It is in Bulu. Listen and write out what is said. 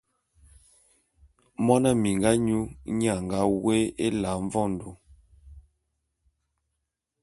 Mona minga nyu nnye a nga woé Ela Mvondo.